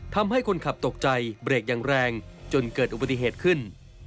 ทำให้คนขับตกใจเบรกอย่างแรงจนเกิดอุบัติเหตุขึ้น